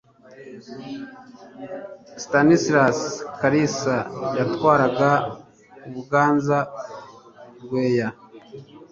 stanislasi kalisa yatwaraga ubuganza-rweya